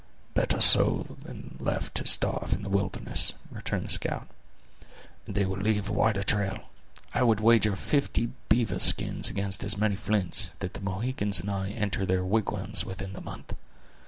"Better so than left to starve in the wilderness," returned the scout; "and they will leave a wider trail. I would wager fifty beaver skins against as many flints, that the Mohicans and I enter their wigwams within the month!